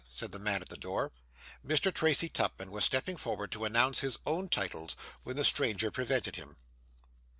said the man at the door. Mr. Tracy Tupman was stepping forward to announce his own titles, when the stranger prevented him.